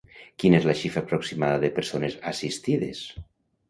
Quina és la xifra aproximada de persones assistides?